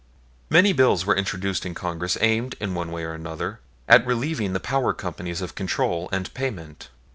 Many bills were introduced in Congress aimed, in one way or another, at relieving the power companies of control and payment.